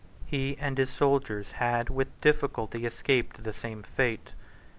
He and his soldiers had with difficulty escaped the same fate.